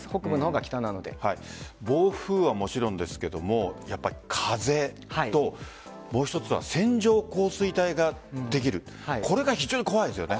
暴風はもちろんですけれどもやっぱり風ともう１つは線状降水帯ができるこれが非常に怖いですよね。